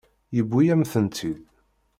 Yewwi-yam-tent-id.